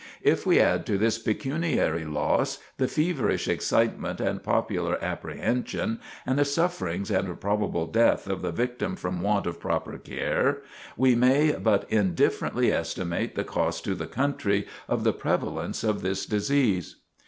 If we add to this pecuniary loss the feverish excitement and popular apprehension, and the sufferings and probable death of the victim from want of proper care, we may but indifferently estimate the cost to the country of the prevalence of this disease.